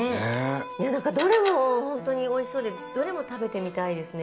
いやなんかどれもホントにおいしそうでどれも食べてみたいですね。